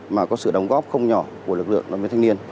mà có sự đóng góp không nhỏ của lực lượng đồng minh thanh niên